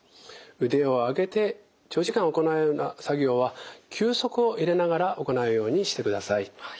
腕を上げて長時間行うような作業は休息を入れながら行うようにしてください。